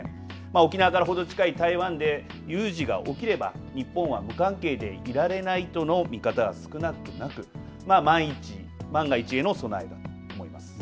沖縄からほど近い台湾で有事が起きれば日本は無関係でいられないとの見方が少なくなく万が一への備えと思います。